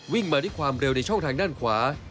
วิ่งมาที่ความเร็วในช่องทางด้านขวา